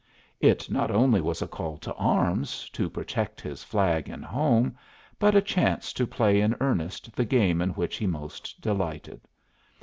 It not only was a call to arms, to protect his flag and home, but a chance to play in earnest the game in which he most delighted.